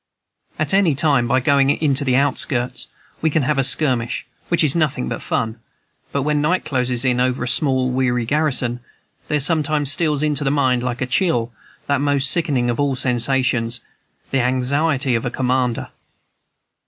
At any time, by going into the outskirts, we can have a skirmish, which is nothing but fun; but when night closes in over a small and weary garrison, there sometimes steals into my mind, like a chill, that most sickening of all sensations, the anxiety of a commander.